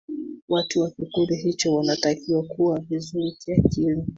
watu wa kikundi hicho wanatakiwa kuwa vizuri kiakili